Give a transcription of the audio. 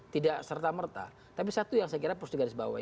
tidak serta merta tapi satu yang saya kira